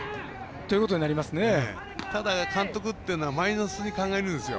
ただ、監督っていうのはマイナスに考えるんですよ。